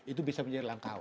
itu bisa menjadi langkah awal